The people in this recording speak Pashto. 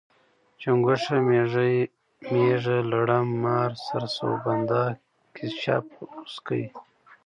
چونګښه، میږی، میږه، لړم، مار، سرسوبنده، کیسپ، غوسکی